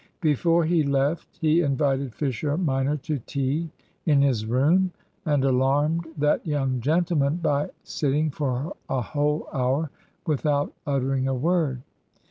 Before he left he invited Fisher minor to tea in his room, and alarmed that young gentleman by sitting for a whole hour without uttering a word.